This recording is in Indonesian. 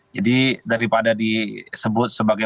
jadi daripada disebut sebagai